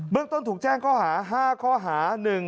เมืองต้นถูกแจ้งข้อหา๕ข้อหา